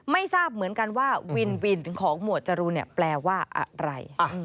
ไม่ทราบเหมือนกันว่าวินวินของหมวดจรูนแปลว่าอะไร